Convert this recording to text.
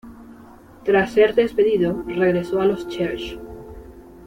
Tras ser despedido, regresó a los Charge.